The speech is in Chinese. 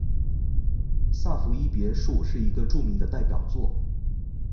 萨伏伊别墅是一个著名的代表作。